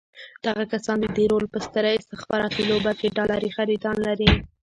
دغه کسان د دې رول په ستره استخباراتي لوبه کې ډالري خریداران لري.